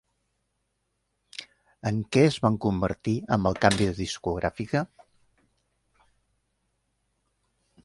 En què es van convertir amb el canvi de discogràfica?